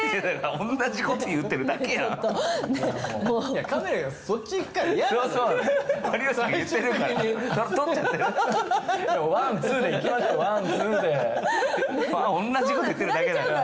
おんなじこと言ってるだけだから。